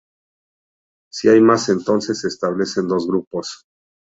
Si hay más entonces se establecen dos grupos.